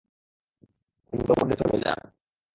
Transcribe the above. তিনি দেওবন্দে চলে যান।